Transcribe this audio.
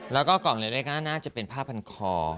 แล้วก็กล่องเล็กก็น่าจะเป็นผ้าพันคอ